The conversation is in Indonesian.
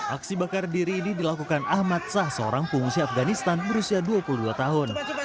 aksi bakar diri ini dilakukan ahmad sah seorang pengungsi afganistan berusia dua puluh dua tahun